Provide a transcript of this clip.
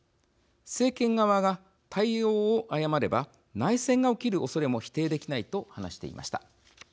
政権側が対応を誤れば内戦が起きるおそれも否定できない」と話していました。